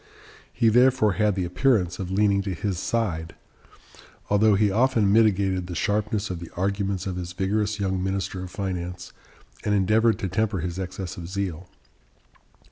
He therefore had the appearance of leaning to his side, although he often mitigated the sharpness of the arguments of his vigorous young minister of finance and endeavored to temper his excess of zeal.